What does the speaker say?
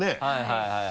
はいはい。